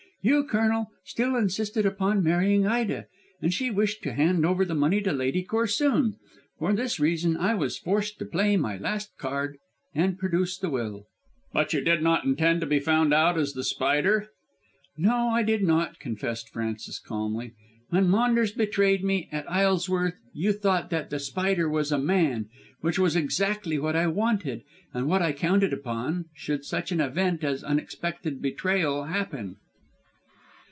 You, Colonel, still insisted upon marrying Ida, and she wished to hand over the money to Lady Corsoon. For this reason I was forced to play my last card and produce the will." "But you did not intend to be found out as The Spider?" "No, I did not," confessed Frances calmly. "When Maunders betrayed me at Isleworth you thought that The Spider was a man, which was exactly what I wanted and what I counted upon should such an event as unexpected betrayal happen.